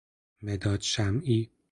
مداد شمعی